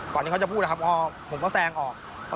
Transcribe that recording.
ที่เขาจะพูดนะครับผมก็แซงออก